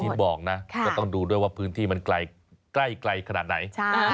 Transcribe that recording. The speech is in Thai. ที่บอกนะก็ต้องดูด้วยว่าพื้นที่มันใกล้ขนาดไหน